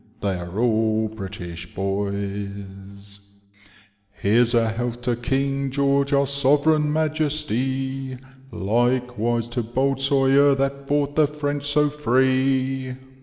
They are all British boys. *• Here's a health to Ring George our Sovereign Majesty, Likewise to bold Sawyer, that fought the French so free.